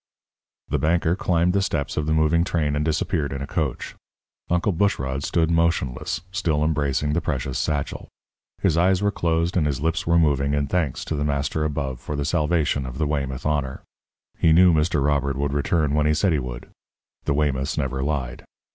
The banker climbed the steps of the moving train and disappeared in a coach. Uncle Bushrod stood motionless, still embracing the precious satchel. His eyes were closed and his lips were moving in thanks to the Master above for the salvation of the Weymouth honour. He knew Mr. Robert would return when he said he would. The Weymouths never lied.